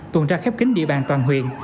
tuần ra khép kính địa bàn toàn huyện